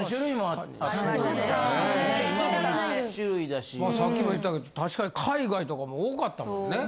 ・ありましたね・さっきも言ってたけど確かに海外とかも多かったもんね。